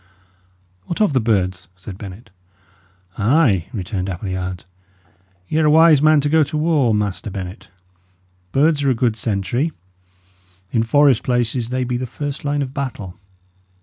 "What of the birds?" said Bennet. "Ay!" returned Appleyard, "y' are a wise man to go to war, Master Bennet. Birds are a good sentry; in forest places they be the first line of battle.